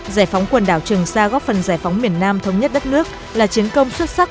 giải phóng quần đảo trường sa góp phần giải phóng miền nam thống nhất đất nước là chiến công xuất sắc